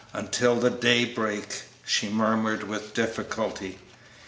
"'Until the day break,'" she murmured, with difficulty.